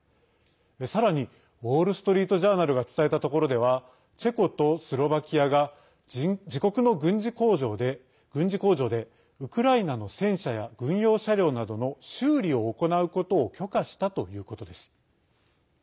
さらに、ウォール・ストリート・ジャーナルが伝えたところではチェコとスロバキアが自国の軍事工場でウクライナの戦車や軍用車両などの修理を行うことを許可したということです。